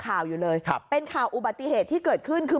ข่าวอยู่เลยเป้นข่าวอุบัติเหตุที่เกิดขึ้นคือ